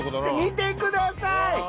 見てください。